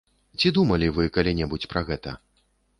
Ці думалі вы калі-небудзь пра гэта?